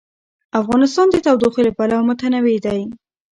افغانستان د تودوخه له پلوه متنوع دی.